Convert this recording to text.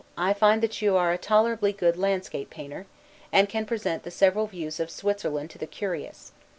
I find that you are a tolerably good landscape painter, and can present the several views of Switzerland to the curious.